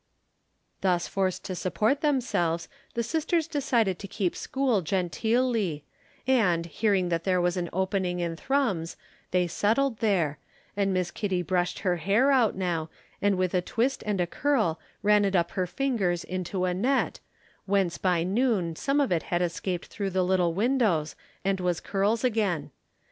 Thus forced to support themselves, the sisters decided to keep school genteelly, and, hearing that there was an opening in Thrums, they settled there, and Miss Kitty brushed her hair out now, and with a twist and a twirl ran it up her fingers into a net, whence by noon some of it had escaped through the little windows and was curls again.